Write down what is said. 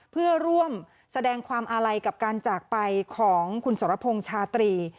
เพื่อร่วมแสดงความอาลัยกับการจากไปของคุณสรพงษ์ชาตรี